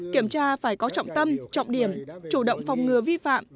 kiểm tra phải có trọng tâm trọng điểm chủ động phòng ngừa vi phạm